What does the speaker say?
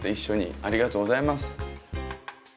ありがとうございます。